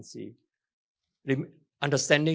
kita ingin memperlembabkan kewangan